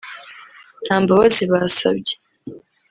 nta mbabazi basabye